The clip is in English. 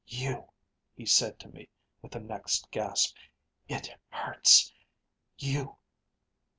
'You ...' he said to me with the next gasp. 'It hurts ... You